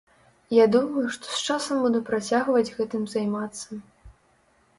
Я думаю, што з часам буду працягваць гэтым займацца.